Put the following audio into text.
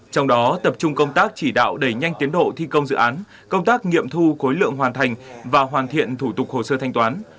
trong đó tập trung công tác chỉ đạo đẩy nhanh tiến độ thi công dự án công tác nghiệm thu khối lượng hoàn thành và hoàn thiện thủ tục hồ sơ thanh toán